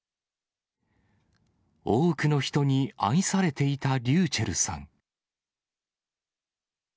多くの人に愛されていたｒｙｕｃｈｅｌｌさん。